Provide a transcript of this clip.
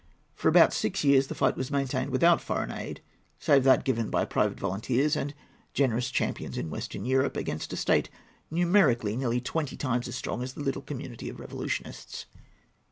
For about six years the fight was maintained without foreign aid, save that given by private volunteers and generous champions in Western Europe, against a state numerically nearly twenty times as strong as the little community of revolutionists.